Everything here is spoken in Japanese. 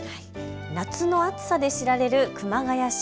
夏の暑さで知られる熊谷市。